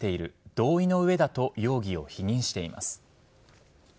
同意の上だと容疑を否認しています。